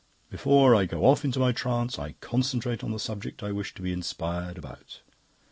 "Before I go off into my trance, I concentrate on the subject I wish to be inspired about.